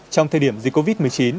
trong thời điểm dịch covid một mươi chín